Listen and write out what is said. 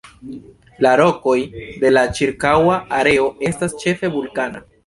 La rokoj de la ĉirkaŭa areo estas ĉefe vulkana.